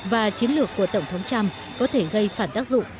và chiến lược của tổng thống trump có thể gây phản tác dụng